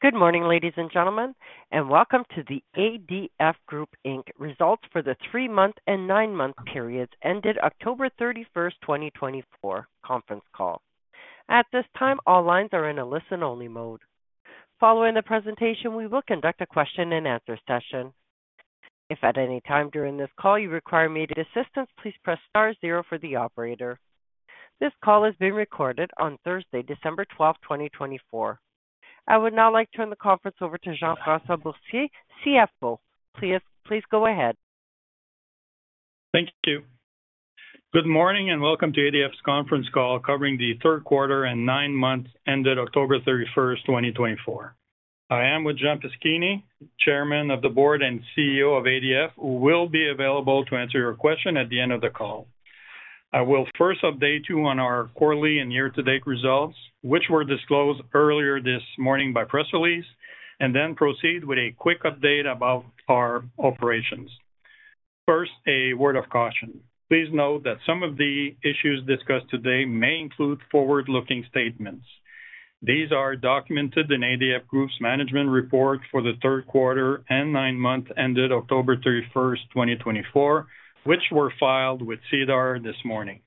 Good morning, ladies and gentlemen, and welcome to the ADF Group Inc. results for the three-month and nine-month periods ended October 31st, 2024 conference call. At this time, all lines are in a listen-only mode. Following the presentation, we will conduct a question-and-answer session. If at any time during this call you require immediate assistance, please press star zero for the operator. This call is being recorded on Thursday, December 12th, 2024. I would now like to turn the conference over to Jean-François Boursier, CFO. Please go ahead. Thank you. Good morning and welcome to ADF's conference call covering the third quarter and nine months ended October 31st, 2024. I am with Jean Paschini, Chairman of the Board and CEO of ADF, who will be available to answer your question at the end of the call. I will first update you on our quarterly and year-to-date results, which were disclosed earlier this morning by press release, and then proceed with a quick update about our operations. First, a word of caution. Please note that some of the issues discussed today may include forward-looking statements. These are documented in ADF Group's management report for the third quarter and nine months ended October 31st, 2024, which were filed with SEDAR+ this morning.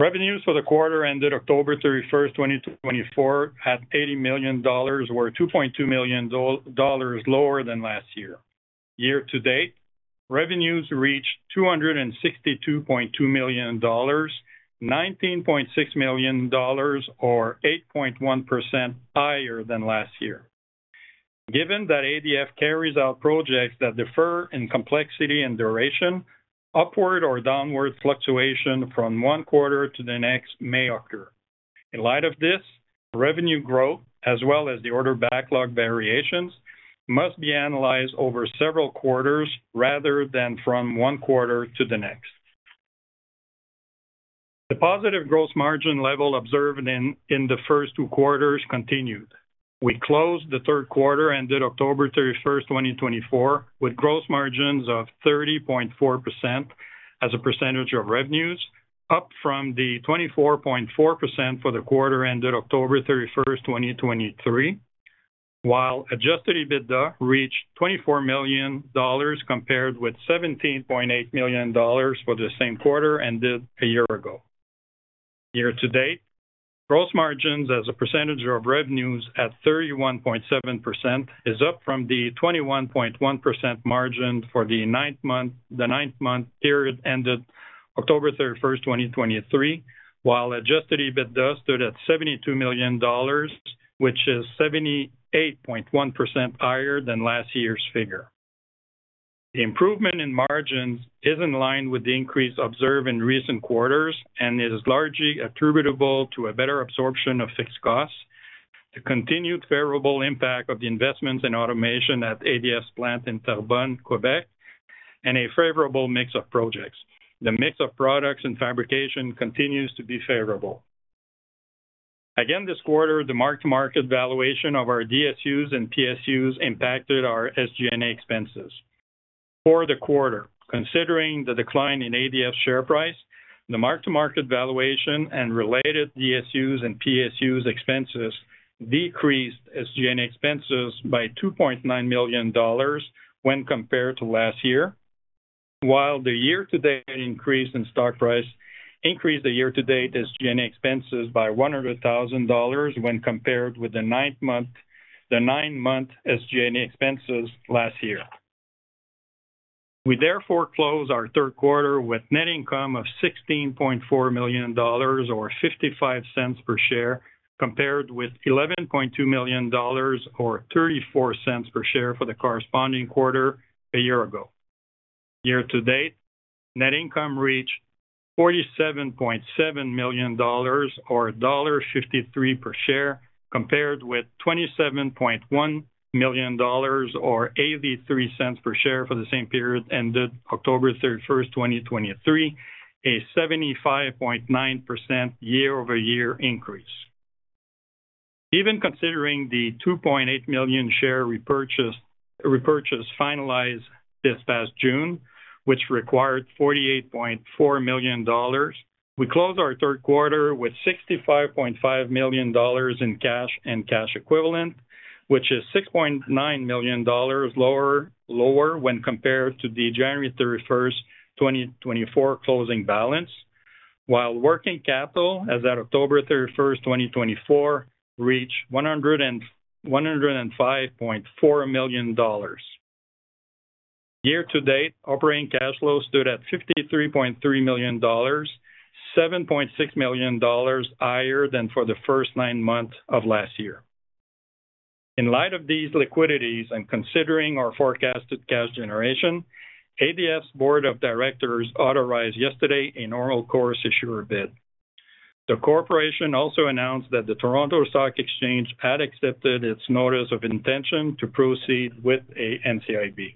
Revenues for the quarter ended October 31st, 2024, at 80 million dollars were 2.2 million dollars lower than last year. Year-to-date, revenues reached 262.2 million dollars, 19.6 million dollars, or 8.1% higher than last year. Given that ADF carries out projects that differ in complexity and duration, upward or downward fluctuation from one quarter to the next may occur. In light of this, revenue growth, as well as the order backlog variations, must be analyzed over several quarters rather than from one quarter to the next. The positive gross margin level observed in the first two quarters continued. We closed the third quarter ended October 31st, 2024, with gross margins of 30.4% as a percentage of revenues, up from the 24.4% for the quarter ended October 31st, 2023, while Adjusted EBITDA reached 24 million dollars compared with 17.8 million dollars for the same quarter ended a year ago. Year-to-date, gross margins as a percentage of revenues at 31.7% is up from the 21.1% margin for the nine-month period ended October 31st, 2023, while Adjusted EBITDA stood at 72 million dollars, which is 78.1% higher than last year's figure. The improvement in margins is in line with the increase observed in recent quarters and is largely attributable to a better absorption of fixed costs, the continued favorable impact of the investments in automation at ADF's plant in Terrebonne, Quebec, and a favorable mix of projects. The mix of products and fabrication continues to be favorable. Again this quarter, the mark-to-market valuation of our DSUs and PSUs impacted our SG&A expenses. For the quarter, considering the decline in ADF's share price, the mark-to-market valuation and related DSUs and PSUs expenses decreased SG&A expenses by $2.9 million when compared to last year, while the year-to-date increase in stock price increased the year-to-date SG&A expenses by $100,000 when compared with the nine-month SG&A expenses last year. We therefore close our third quarter with net income of $16.4 million, or $0.55 per share, compared with $11.2 million, or $0.34 per share for the corresponding quarter a year ago. Year-to-date, net income reached $47.7 million, or $1.53 per share, compared with $27.1 million, or $0.83 per share for the same period ended October 31st, 2023, a 75.9% year-over-year increase. Even considering the 2.8 million share repurchase finalized this past June, which required 48.4 million dollars, we close our third quarter with 65.5 million dollars in cash and cash equivalent, which is 6.9 million dollars lower when compared to the January 31st, 2024, closing balance, while working capital as at October 31st, 2024, reached 105.4 million dollars. Year-to-date, operating cash flow stood at 53.3 million dollars, 7.6 million dollars higher than for the first nine months of last year. In light of these liquidities and considering our forecasted cash generation, ADF's Board of Directors authorized yesterday a Normal Course Issuer Bid. The corporation also announced that the Toronto Stock Exchange had accepted its notice of intention to proceed with an NCIB.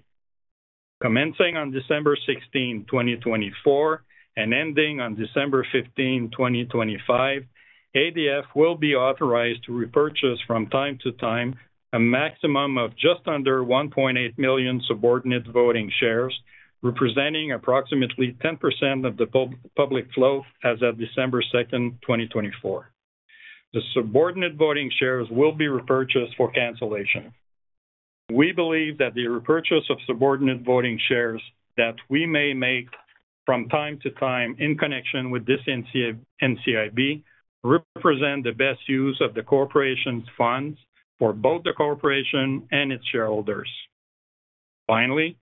Commencing on December 16, 2024, and ending on December 15, 2025, ADF will be authorized to repurchase from time to time a maximum of just under 1.8 million subordinate voting shares, representing approximately 10% of the public float as of December 2nd, 2024. The subordinate voting shares will be repurchased for cancellation. We believe that the repurchase of subordinate voting shares that we may make from time to time in connection with this NCIB represents the best use of the corporation's funds for both the corporation and its shareholders. Finally,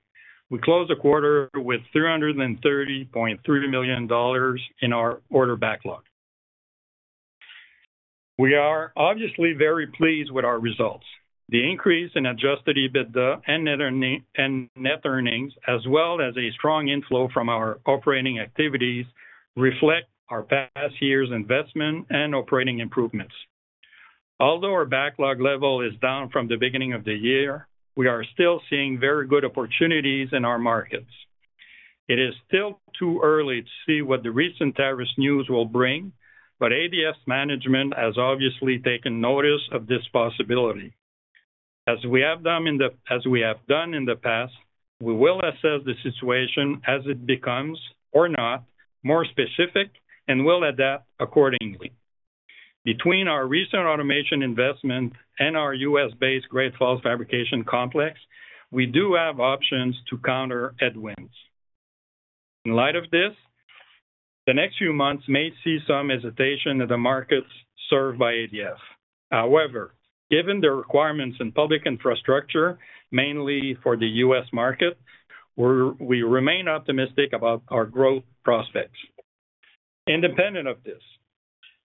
we close the quarter with 330.3 million dollars in our order backlog. We are obviously very pleased with our results. The increase in Adjusted EBITDA and net earnings, as well as a strong inflow from our operating activities, reflect our past year's investment and operating improvements. Although our backlog level is down from the beginning of the year, we are still seeing very good opportunities in our markets. It is still too early to see what the recent tariffs news will bring, but ADF's management has obviously taken notice of this possibility. As we have done in the past, we will assess the situation as it becomes or not more specific and will adapt accordingly. Between our recent automation investment and our U.S.-based Great Falls fabrication complex, we do have options to counter headwinds. In light of this, the next few months may see some hesitation in the markets served by ADF. However, given the requirements in public infrastructure, mainly for the U.S. market, we remain optimistic about our growth prospects. Independent of this,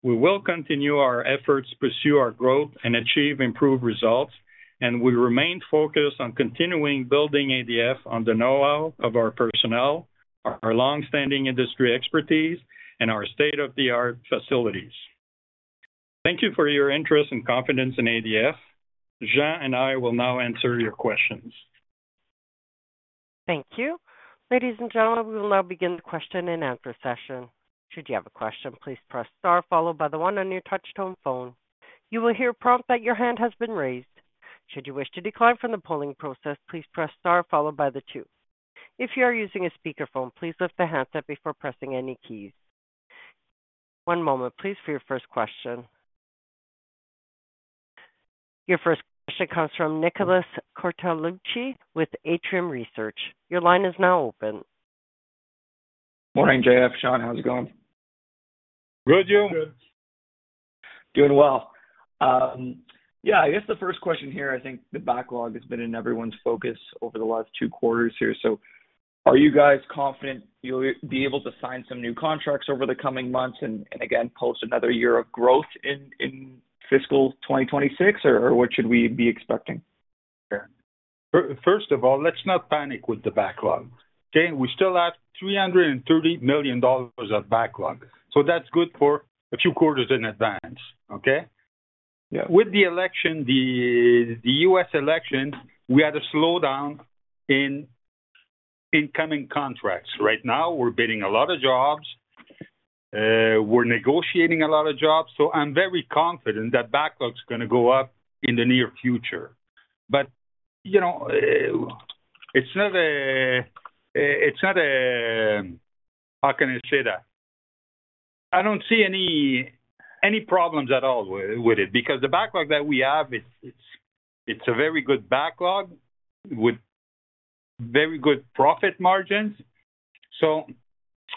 we will continue our efforts to pursue our growth and achieve improved results, and we remain focused on continuing building ADF on the know-how of our personnel, our longstanding industry expertise, and our state-of-the-art facilities. Thank you for your interest and confidence in ADF. Jean and I will now answer your questions. Thank you. Ladies and gentlemen, we will now begin the question-and-answer session. Should you have a question, please press star followed by the one on your touch-tone phone. You will hear a prompt that your hand has been raised. Should you wish to decline from the polling process, please press star followed by the two. If you are using a speakerphone, please lift the hands up before pressing any keys. One moment, please, for your first question. Your first question comes from Nicholas Cortellucci with Atrium Research. Your line is now open. Morning, JF. Jean, how's it going? Good, you? Good. Doing well. Yeah, I guess the first question here, I think the backlog has been in everyone's focus over the last two quarters here. So are you guys confident you'll be able to sign some new contracts over the coming months and, again, post another year of growth in fiscal 2026, or what should we be expecting here? First of all, let's not panic with the backlog. Okay? We still have 330 million dollars of backlog. So that's good for a few quarters in advance, okay? With the election, the U.S. election, we had a slowdown in incoming contracts. Right now, we're bidding a lot of jobs. We're negotiating a lot of jobs. So I'm very confident that backlog's going to go up in the near future. But it's not a—how can I say that? I don't see any problems at all with it because the backlog that we have, it's a very good backlog with very good profit margins. So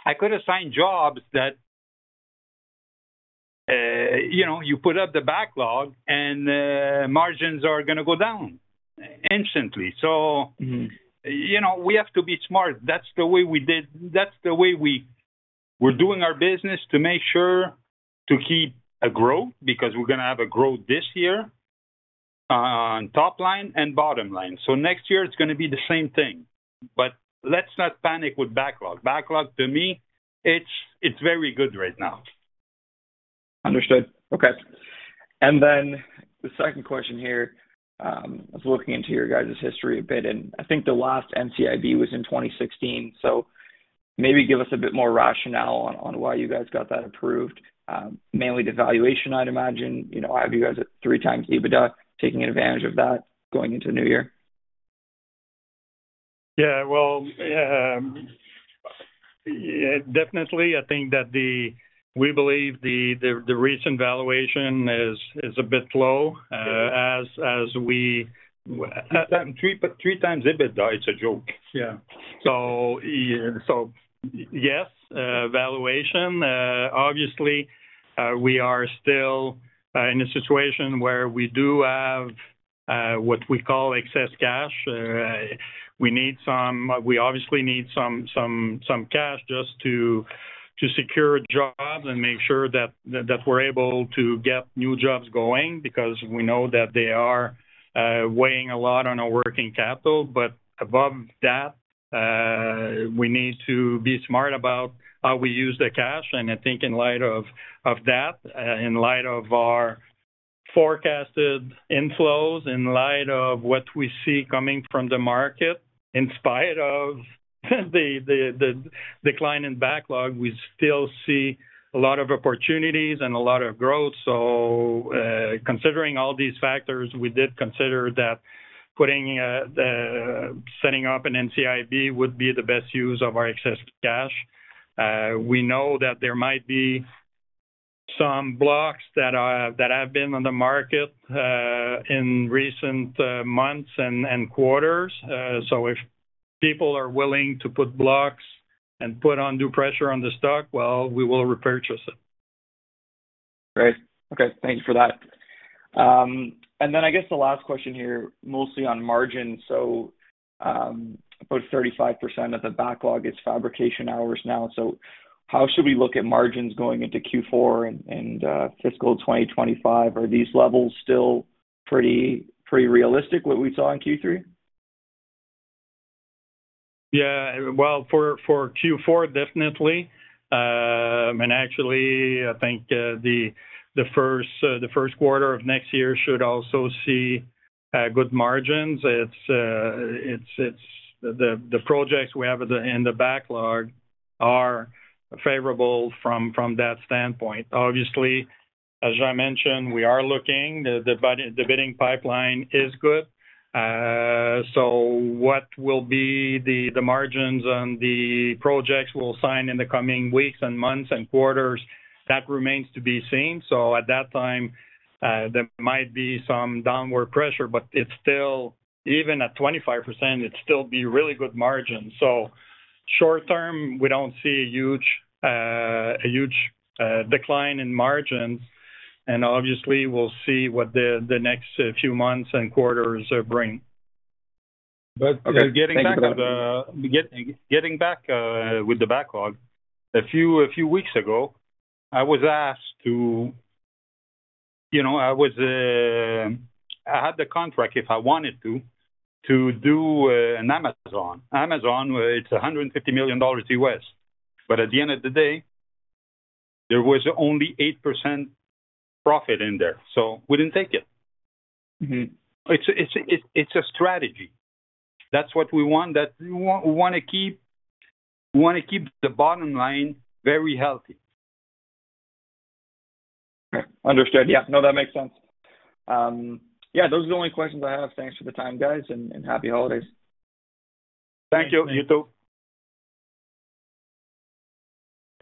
I could assign jobs that you put up the backlog, and margins are going to go down instantly. So we have to be smart. That's the way we did - that's the way we're doing our business to make sure to keep a growth because we're going to have a growth this year on top line and bottom line. So next year, it's going to be the same thing. But let's not panic with backlog. Backlog, to me, it's very good right now. Understood. Okay. And then the second question here, I was looking into your guys' history a bit, and I think the last NCIB was in 2016. So maybe give us a bit more rationale on why you guys got that approved, mainly the valuation, I'd imagine. I have you guys at three times EBITDA, taking advantage of that going into the new year. Yeah. Well, definitely, I think that we believe the recent valuation is a bit low as we... Three times EBITDA, it's a joke. Yeah. So yes, valuation. Obviously, we are still in a situation where we do have what we call excess cash. We obviously need some cash just to secure jobs and make sure that we're able to get new jobs going because we know that they are weighing a lot on our working capital, but above that, we need to be smart about how we use the cash, and I think in light of that, in light of our forecasted inflows, in light of what we see coming from the market, in spite of the decline in backlog, we still see a lot of opportunities and a lot of growth, so considering all these factors, we did consider that setting up an NCIB would be the best use of our excess cash. We know that there might be some blocks that have been on the market in recent months and quarters. So if people are willing to put blocks and put undue pressure on the stock, well, we will repurchase it. Great. Okay. Thank you for that. And then I guess the last question here, mostly on margins. So about 35% of the backlog is fabrication hours now. So how should we look at margins going into Q4 and fiscal 2025? Are these levels still pretty realistic, what we saw in Q3? Yeah. Well, for Q4, definitely. And actually, I think the first quarter of next year should also see good margins. The projects we have in the backlog are favorable from that standpoint. Obviously, as I mentioned, we are looking. The bidding pipeline is good. So what will be the margins on the projects we'll sign in the coming weeks and months and quarters, that remains to be seen. So at that time, there might be some downward pressure, but even at 25%, it'd still be really good margins. So short term, we don't see a huge decline in margins. And obviously, we'll see what the next few months and quarters bring. Okay. Getting back to the backlog, a few weeks ago, I was asked to—I had the contract, if I wanted to, to do an Amazon. Amazon, it's $150 million U.S. But at the end of the day, there was only 8% profit in there. So we didn't take it. It's a strategy. That's what we want. We want to keep the bottom line very healthy. Okay. Understood. Yeah. No, that makes sense. Yeah. Those are the only questions I have. Thanks for the time, guys, and happy holidays. Thank you. You too.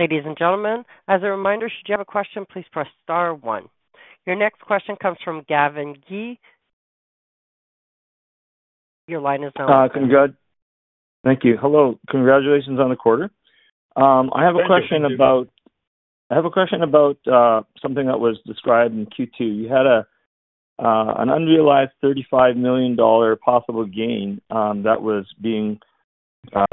Ladies and gentlemen, as a reminder, should you have a question, please press star one. Your next question comes from Gavin Gee. Your line is now on. Hi. Thank you. Hello. Congratulations on the quarter. I have a question about something that was described in Q2. You had an unrealized 35 million dollar possible gain that was being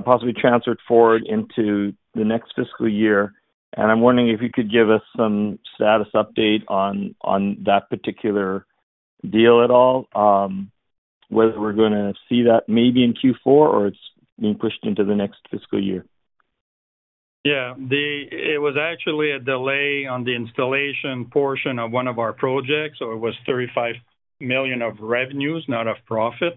possibly transferred forward into the next fiscal year, and I'm wondering if you could give us some status update on that particular deal at all, whether we're going to see that maybe in Q4 or it's being pushed into the next fiscal year. Yeah. It was actually a delay on the installation portion of one of our projects. So it was $35 million of revenues, not of profit.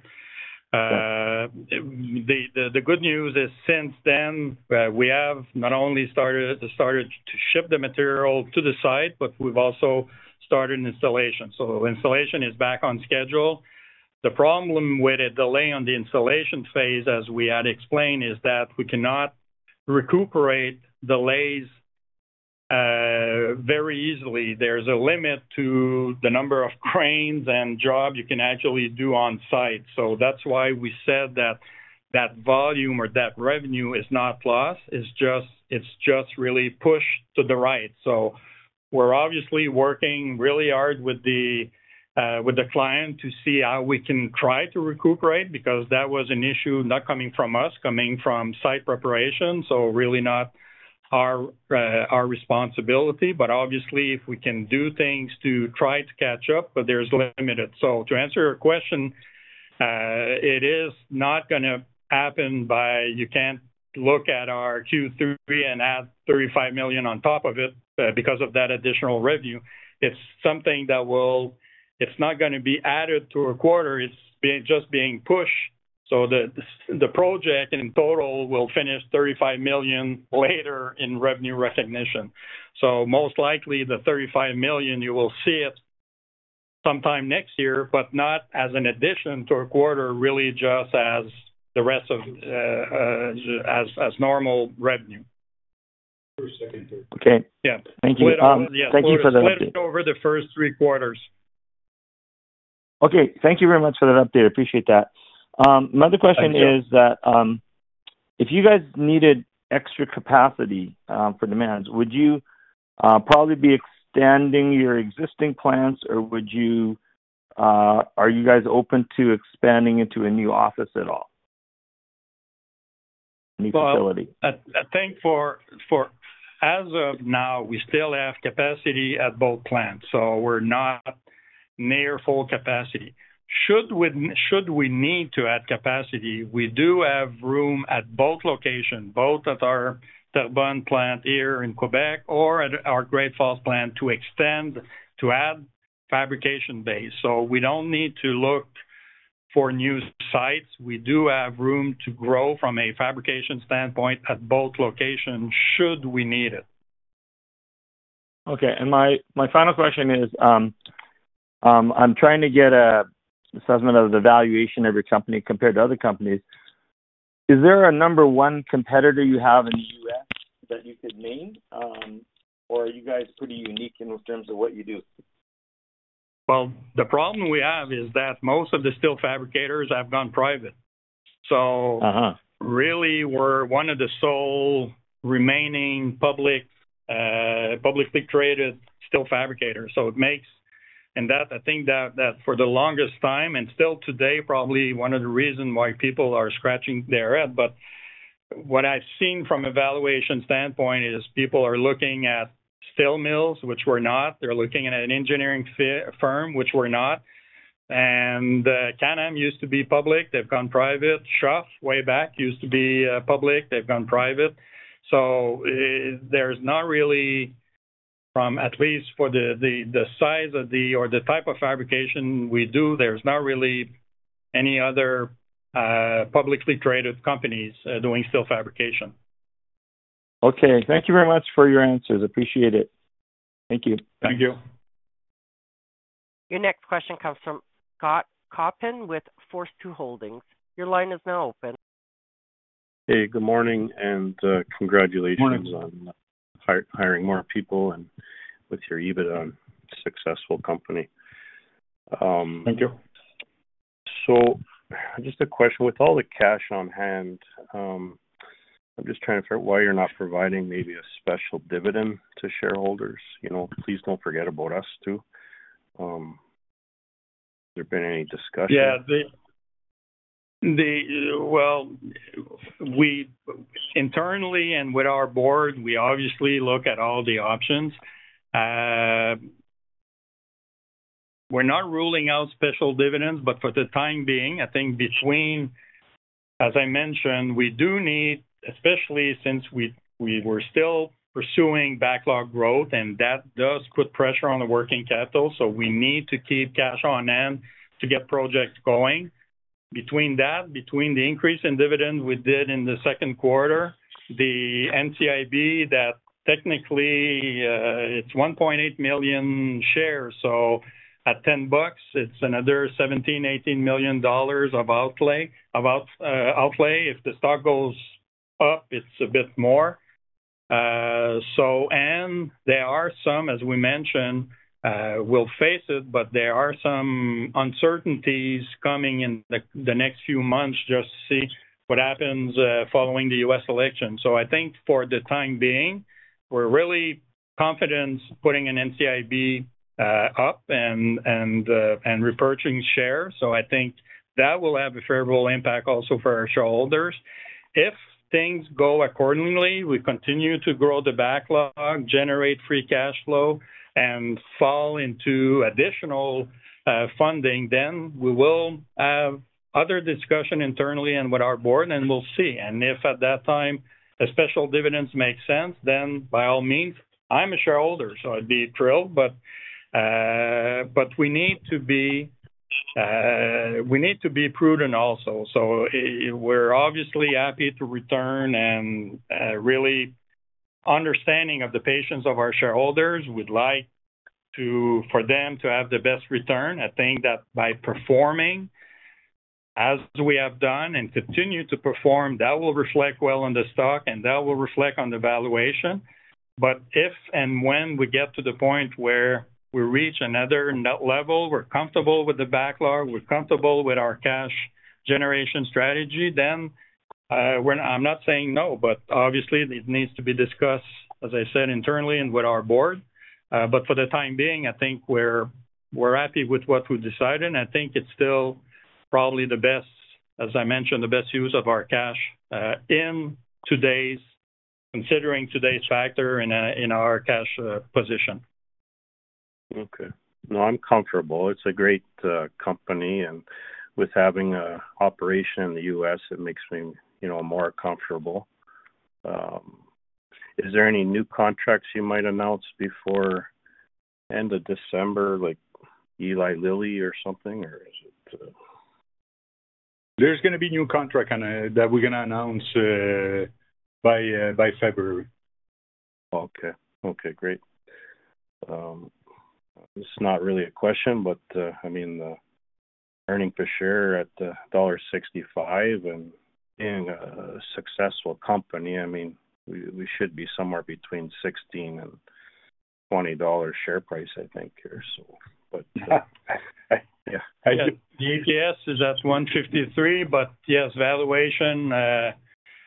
The good news is since then, we have not only started to ship the material to the site, but we've also started installation. So installation is back on schedule. The problem with a delay on the installation phase, as we had explained, is that we cannot recuperate delays very easily. There's a limit to the number of cranes and jobs you can actually do on site. So that's why we said that that volume or that revenue is not lost. It's just really pushed to the right. So we're obviously working really hard with the client to see how we can try to recuperate because that was an issue not coming from us, coming from site preparation. So really not our responsibility. But obviously, if we can do things to try to catch up, but there's limited. So to answer your question, it is not going to happen. You can't look at our Q3 and add $35 million on top of it because of that additional revenue. It's something that will. It's not going to be added to a quarter. It's just being pushed. So the project in total will finish $35 million later in revenue recognition. So most likely, the $35 million, you will see it sometime next year, but not as an addition to a quarter, really just as the rest of, as normal revenue. Okay. Thank you. Thank you for that update. Let's go over the first three quarters. Okay. Thank you very much for that update. I appreciate that. My other question is that if you guys needed extra capacity for demands, would you probably be extending your existing plants, or are you guys open to expanding into a new office at all? A new facility. I think for as of now, we still have capacity at both plants. We're not near full capacity. Should we need to add capacity, we do have room at both locations, both at our Terrebonne plant here in Quebec or at our Great Falls plant to extend to add fabrication bays. We don't need to look for new sites. We do have room to grow from a fabrication standpoint at both locations should we need it. Okay. And my final question is, I'm trying to get an assessment of the valuation of your company compared to other companies. Is there a number one competitor you have in the U.S. that you could name, or are you guys pretty unique in terms of what you do? The problem we have is that most of the steel fabricators have gone private. So really, we're one of the sole remaining publicly traded steel fabricators. So it makes, and I think that for the longest time and still today, probably one of the reasons why people are scratching their head. But what I've seen from a valuation standpoint is people are looking at steel mills, which we're not. They're looking at an engineering firm, which we're not. And Can-Am used to be public. They've gone private. Schuff, way back, used to be public. They've gone private. So there's not really, at least for the size of the or the type of fabrication we do, there's not really any other publicly traded companies doing steel fabrication. Okay. Thank you very much for your answers. Appreciate it. Thank you. Thank you. Your next question comes from Scott Coppin with Force Two Holdings. Your line is now open. Hey, good morning, and congratulations on hiring more people and with your EBITDA, a successful company. Thank you. So just a question. With all the cash on hand, I'm just trying to figure out why you're not providing maybe a special dividend to shareholders. Please don't forget about us too. Has there been any discussion? Yeah. Well, internally and with our board, we obviously look at all the options. We're not ruling out special dividends, but for the time being, I think between, as I mentioned, we do need, especially since we were still pursuing backlog growth, and that does put pressure on the working capital. So we need to keep cash on hand to get projects going. Between that, between the increase in dividends we did in the second quarter, the NCIB, that technically it's 1.8 million shares. So at 10 bucks, it's another 17 million-18 million dollars of outlay. If the stock goes up, it's a bit more, and there are some, as we mentioned, we'll face it, but there are some uncertainties coming in the next few months just to see what happens following the U.S. election. I think for the time being, we're really confident putting an NCIB up and repurchasing shares. I think that will have a favorable impact also for our shareholders. If things go accordingly, we continue to grow the backlog, generate free cash flow, and fall into additional funding, then we will have other discussion internally and with our board, and we'll see. If at that time a special dividends make sense, then by all means, I'm a shareholder, so I'd be thrilled. But we need to be, we need to be prudent also. We're obviously happy to return and really understanding of the patience of our shareholders. We'd like for them to have the best return. I think that by performing as we have done and continue to perform, that will reflect well on the stock, and that will reflect on the valuation. But if and when we get to the point where we reach another level, we're comfortable with the backlog, we're comfortable with our cash generation strategy, then I'm not saying no, but obviously, it needs to be discussed, as I said, internally and with our board. But for the time being, I think we're happy with what we've decided. And I think it's still probably the best, as I mentioned, the best use of our cash in today's, considering today's factor in our cash position. Okay. No, I'm comfortable. It's a great company, and with having an operation in the U.S., it makes me more comfortable. Is there any new contracts you might announce before the end of December, like Eli Lilly or something, or is it? There's going to be a new contract that we're going to announce by February. Okay. Okay. Great. It's not really a question, but I mean, earnings per share at $1.65 and being a successful company, I mean, we should be somewhere between 16 and 20 dollars share price, I think, here, so. But yeah. The EPS is at 153, but yes, valuation,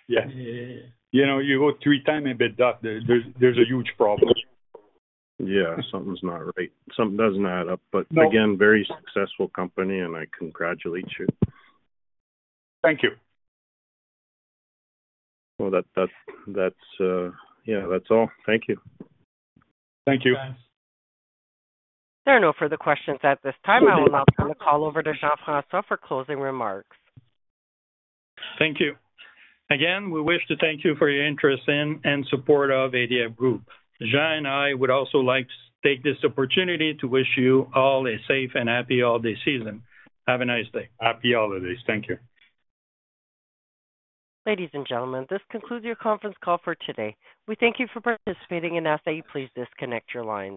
you go three times EBITDA. There's a huge problem. Yeah. Something's not right. Something doesn't add up, but again, very successful company, and I congratulate you. Thank you. Well, yeah, that's all. Thank you. Thank you. There are no further questions at this time. I will now turn the call over to Jean-François for closing remarks. Thank you. Again, we wish to thank you for your interest in and support of ADF Group. Jean and I would also like to take this opportunity to wish you all a safe and happy holiday season. Have a nice day. Happy holidays. Thank you. Ladies and gentlemen, this concludes your conference call for today. We thank you for participating and ask that you please disconnect your lines.